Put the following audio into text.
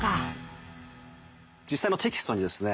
実際のテキストにですね